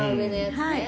はい。